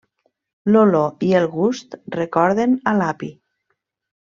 L'olor i el gust recorden a l'api.